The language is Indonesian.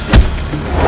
kau tidak tahu